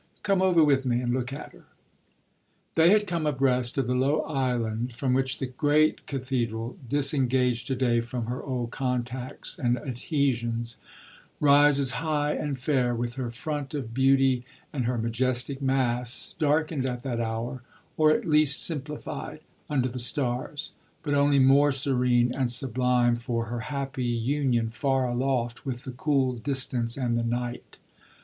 Come over with me and look at her!" They had come abreast of the low island from which the great cathedral, disengaged to day from her old contacts and adhesions, rises high and fair, with her front of beauty and her majestic mass, darkened at that hour, or at least simplified, under the stars, but only more serene and sublime for her happy union far aloft with the cool distance and the night.